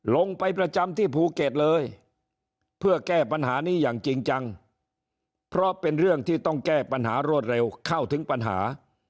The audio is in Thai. ลงไปประจำที่ภูเก็ตเลยเพื่อแก้ปัญหานี้อย่างจริงจังเพราะเป็นเรื่องที่ต้องแก้ปัญหารวดเร็วเข้าถึงปัญหา